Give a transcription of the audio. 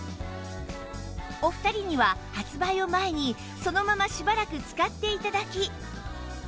お二人には発売を前にそのまましばらく使って頂き